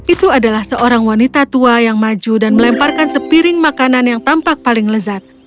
itu adalah seorang wanita tua yang maju dan melemparkan sepiring makanan yang tampak paling lezat